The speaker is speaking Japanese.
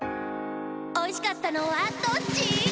おいしかったのはどっち？